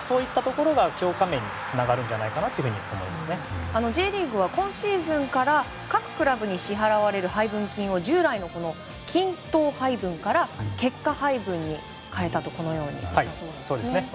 そういったところが強化面につながるんじゃＪリーグは今シーズンから各クラブに支払われる配分金を従来の均等配分から結果配分に変えたとしたそうですね。